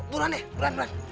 duran deh duran duran